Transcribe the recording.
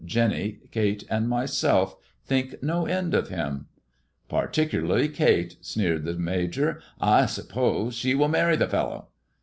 Jenny, Kate, and myself think no end of him." "Particularly Kate," sneered the Major. "I suppose she will marry the fellow."